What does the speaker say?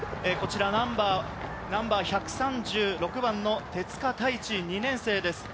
ナンバー１３６番の手塚太一、２年生です。